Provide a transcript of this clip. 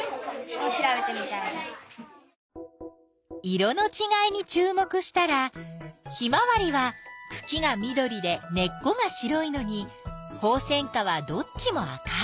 色のちがいにちゅう目したらヒマワリはくきが緑で根っこが白いのにホウセンカはどっちも赤い。